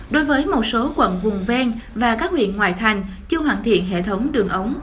đối với một số quận vùng ven và các huyện ngoại thành chưa hoàn thiện hệ thống đường ống